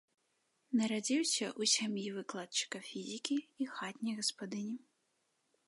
Нарадзіўся ў сям'і выкладчыка фізікі і хатняй гаспадыні.